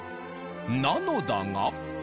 なのだが。